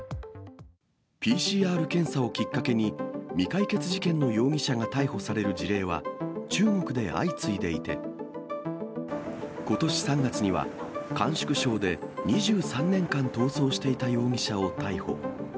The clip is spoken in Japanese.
ＰＣＲ検査をきっかけに、未解決事件の容疑者が逮捕される事例は中国で相次いでいて、ことし３月には、甘粛省で２３年間逃走していた容疑者を逮捕。